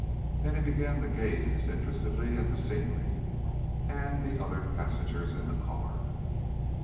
Then he began to gaze disinterestedly at the scenery and the other passengers in the car.